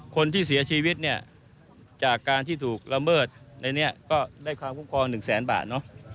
คนที่เสียชีวิตเนี่ยจากการที่ถูกละเมิดในนี้ก็ได้ความคุ้มครอง๑แสนบาทเนอะ